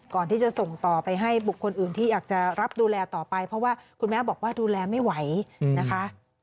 ก่อนที่จะส่งต่อไปให้บุคคลอื่นที่อยากจะรับดูแลต่อไปเพราะว่าคุณแม่บอกว่าดูแลไม่ไหวนะคะ